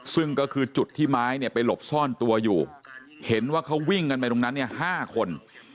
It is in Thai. ซึ่งก็คือจุดที่ไม้เนี่ยไปหลบซ่อนตัวอยู่เห็นว่าเขาวิ่งกันไปตรงนั้นเนี่ย๕คน